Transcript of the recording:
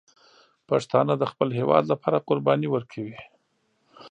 پښتانه د خپل هېواد لپاره قرباني ورکوي.